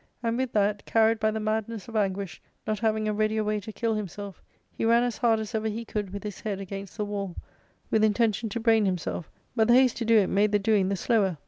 '* And with that, carried by the madness of anguish, not having a readier way to kill himself, he ran as hard as ever he could with his head against the wall, with intention to brain himself, but the haste to do it made the doing the slower.